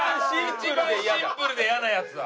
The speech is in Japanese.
一番シンプルで嫌なやつだ。